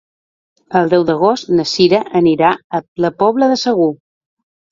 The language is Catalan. El deu d'agost na Cira anirà a la Pobla de Segur.